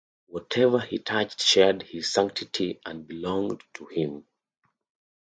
Whatever he touched shared his sanctity and belonged to him.